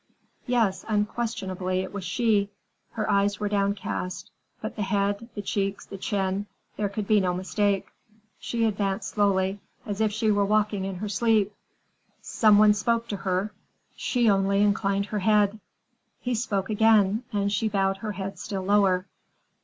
Yes, unquestionably it was she. Her eyes were downcast, but the head, the cheeks, the chin—there could be no mistake; she advanced slowly, as if she were walking in her sleep. Some one spoke to her; she only inclined her head. He spoke again, and she bowed her head still lower.